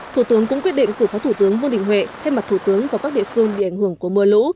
thủ tướng cũng quyết định phủ phá thủ tướng vương định huệ thay mặt thủ tướng và các địa phương bị ảnh hưởng của mưa lũ